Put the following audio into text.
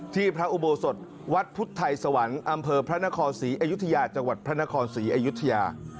พระอุโบสถวัดพุทธไทยสวรรค์อำเภอพระนครศรีอยุธยาจังหวัดพระนครศรีอยุธยา